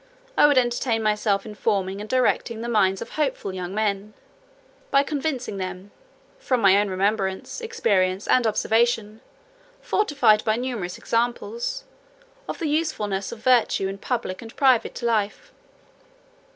I would entertain myself in forming and directing the minds of hopeful young men, by convincing them, from my own remembrance, experience, and observation, fortified by numerous examples, of the usefulness of virtue in public and private life.